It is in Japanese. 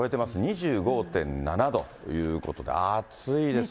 ２５．７度ということで、暑いですね。